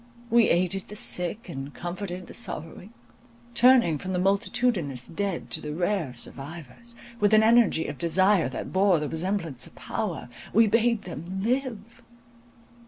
We aided the sick, and comforted the sorrowing; turning from the multitudinous dead to the rare survivors, with an energy of desire that bore the resemblance of power, we bade them—live.